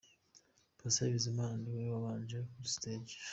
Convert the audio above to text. Pasiya Bizimana ni we wabanje kuri stage.